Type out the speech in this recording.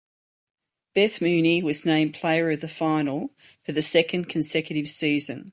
Beth Mooney was named Player of the Final for the second consecutive season.